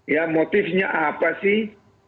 ya motifnya apa sih